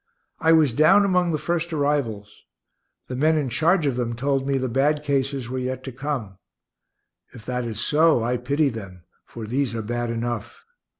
I was down among the first arrivals. The men in charge of them told me the bad cases were yet to come. If that is so, I pity them, for these are bad enough.